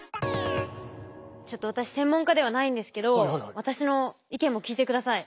ちょっと私専門家ではないんですけど私の意見も聞いてください。